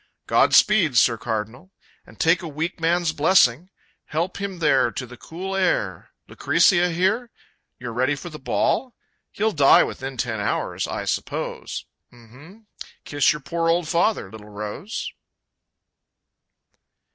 Godspeed, Sir Cardinal! And take a weak man's blessing! Help him there To the cool air!... Lucrezia here? You're ready for the ball? He'll die within ten hours, I suppose MhM! Kiss your poor old father, little rose!